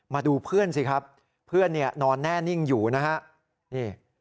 มาดูเพื่อนสิครับเพื่อนเนี่ยนอนแน่นิ่งอยู่นะฮะนี่